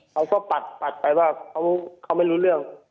ปัดไปว่าเขาไม่รู้เรื่อง